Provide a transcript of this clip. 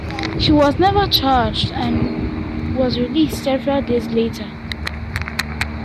He was never charged and was released several days later.